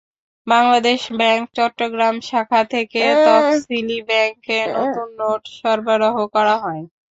Bangladesh bank Chittagong শাখা থেকে তফসিলি ব্যাংকে নতুন নোট সরবরাহ করা হয়।